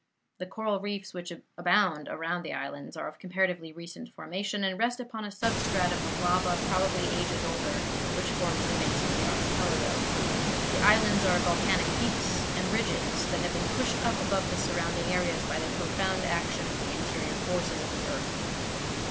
The coral reefs which abound around the islands are of comparatively recent formation, and rest upon a substratum of lava probably ages older, which forms the base of the archipelago. The islands are volcanic peaks and ridges that have been pushed up above the surrounding seas by the profound action of the interior forces of the earth.